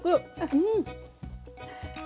うん。